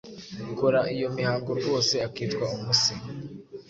Ukora iyo mihango rwose akitwa umuse.